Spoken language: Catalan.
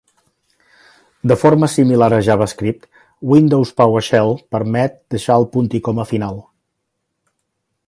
De forma similar a JavaScript, Windows PowerShell permet deixar el punt i coma final.